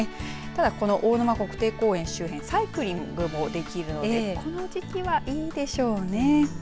ただ、この大沼国定公園周辺サイクリングができるのでこの時期は、いいでしょうね。